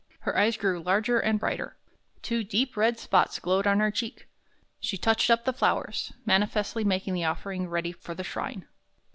Her eyes grew larger and brighter; two deep red spots glowed on her cheek. She touched up the flowers, manifestly making the offering ready for the shrine.